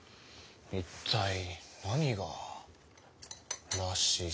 一体何が「らしさ」。